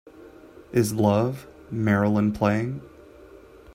Is Love, Marilyn playing